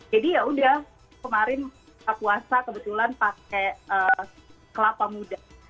jadi yaudah kemarin buka puasa kebetulan pakai kelapa muda